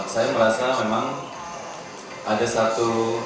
saya merasa memang ada satu